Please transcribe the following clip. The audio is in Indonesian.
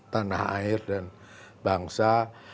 tanah air dan bangsa